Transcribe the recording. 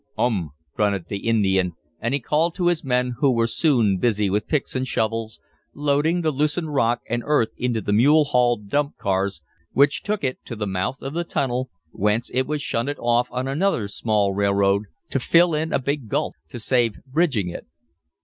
"Um!" grunted the Indian, and he called to his men who were soon busy with picks and shovels, loading the loosened rock and earth into the mule hauled dump cars which took it to the mouth of the tunnel, whence it was shunted off on another small railroad to fill in a big gulch to save bridging it.